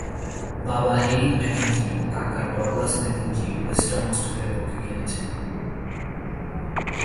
বাবা Eric Mackenzie ও কাকা ডগলাস ম্যাকেঞ্জি ওয়েস্টার্ন অস্ট্রেলিয়ার পক্ষে খেলেছেন।